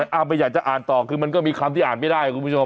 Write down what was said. ไม่อยากจะอ่านต่อคือมันก็มีคำที่อ่านไม่ได้คุณผู้ชม